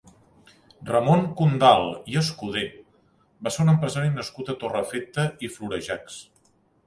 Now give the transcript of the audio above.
Ramon Condal i Escudé va ser un empresari nascut a Torrefeta i Florejacs.